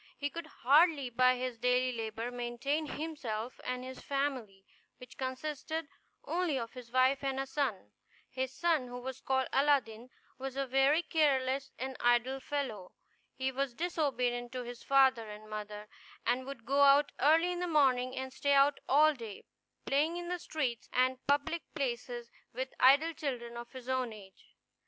He could hardly, by his daily labor, maintain himself and his family, which consisted only of his wife and a son. His son, who was called Aladdin, was a very careless and idle fellow. He was disobedient to his father and mother, and would go out early in the morning and stay out all day, playing in the streets and public places with idle children of his own age.